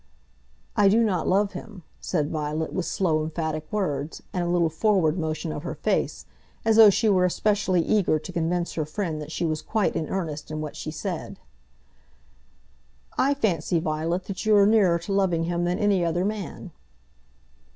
"I do not love him," said Violet, with slow, emphatic words, and a little forward motion of her face, as though she were specially eager to convince her friend that she was quite in earnest in what she said. "I fancy, Violet, that you are nearer to loving him than any other man."